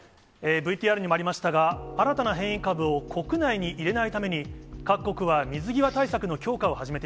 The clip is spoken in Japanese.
ＶＴＲにもありましたが、新たな変異株を国内に入れないために、各国は水際対策の強化を始